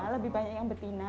lebih banyak yang betina